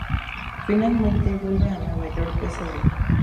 Finalmente vuelve a Nueva York ese año.